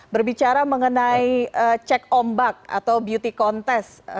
berbicara mengenai cek ombak atau beauty contest